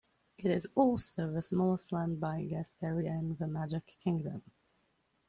It is also the smallest land by guest area in the Magic Kingdom.